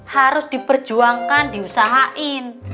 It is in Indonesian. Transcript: harus diperjuangkan diusahain